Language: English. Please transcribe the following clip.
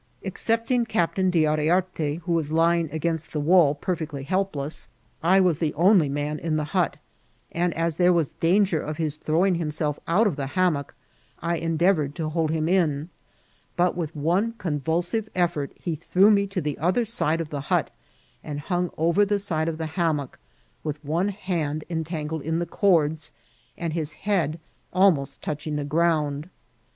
Excepting Captain D' Yriarte, who was lying against the wall per fectly helpless, I was the only man in the hut ; and as there was danger of his throwing himself out of the hammock, I endeavoured to hold him in ; but with one convulsive effort he threw me to the other side of the hut, and hung over the side of the hammock, with one hand entangled in the cords, and his head ahnost touch ing the ground.